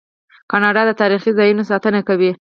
کاناډا د تاریخي ځایونو ساتنه کوي.